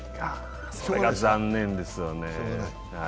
それが残念ですよね。